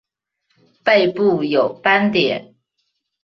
背部有斑点。